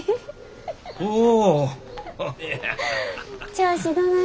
調子どない？